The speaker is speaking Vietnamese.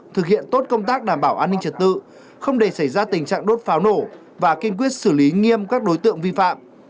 thực hiện tốt công tác đảm bảo an ninh trật tự không để xảy ra tình trạng đốt pháo nổ và kiên quyết xử lý nghiêm các đối tượng vi phạm